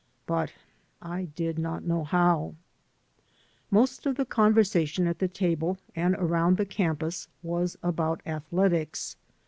But I did not know how. Most of the conversation at the table and around the campus was about athletics.